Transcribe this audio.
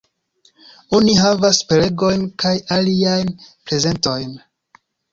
Oni havas prelegojn kaj aliajn prezentojn.